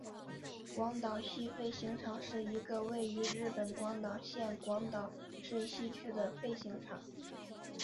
广岛西飞行场是一个位于日本广岛县广岛市西区的飞行场。